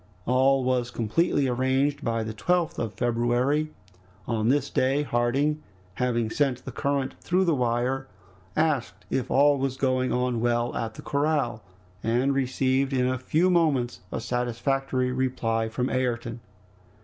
All was completely arranged by the 12th of February. On this day, Harding, having sent the current through the wire, asked if all was going on well at the corral, and received in a few moments a satisfactory reply from Ayrton.